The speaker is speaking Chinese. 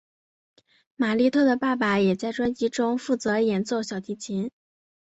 玛莉特的爸爸也在专辑中负责演奏小提琴。